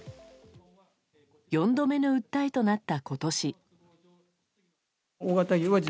４度目の訴えとなった今年。